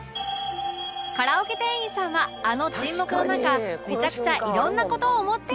カラオケ店員さんはあの沈黙の中めちゃくちゃいろんな事を思っていた